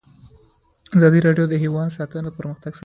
ازادي راډیو د حیوان ساتنه پرمختګ سنجولی.